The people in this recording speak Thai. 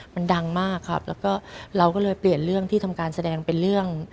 มันดังมากครับแล้วก็เราก็เลยเปลี่ยนเรื่องที่ทำการแสดงเป็นเรื่อง